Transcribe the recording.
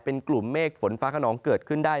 เป็นกลุ่มเมฆฝนฟ้าขนองเกิดขึ้นได้